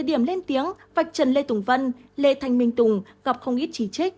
ở thời điểm lên tiếng vạch trần lê tùng vân lê thanh minh tùng gặp không ít chỉ trích